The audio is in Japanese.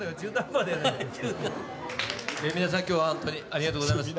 皆さん今日はほんとにありがとうございます。